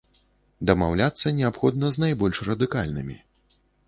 Дамаўляцца неабходна з найбольш радыкальнымі.